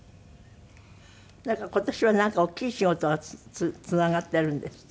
なんか今年は大きい仕事がつながっているんですって？